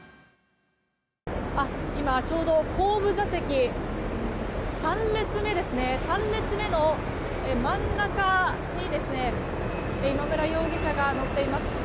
ちょうど後部座席３列目の真ん中に今村容疑者が乗っています。